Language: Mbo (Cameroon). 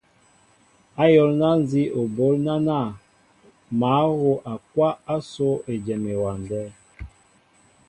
Ayólná nzí o ɓoól nánȃ mă wóʼakwáʼ ásó éjem ewándέ.